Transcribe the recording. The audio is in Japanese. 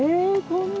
こんな！